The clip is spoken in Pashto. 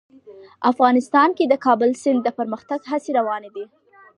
افغانستان کې د د کابل سیند د پرمختګ هڅې روانې دي.